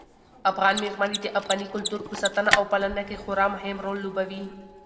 افغان مېرمنې د افغاني کلتور په ساتنه او پالنه کې خورا مهم رول لوبوي.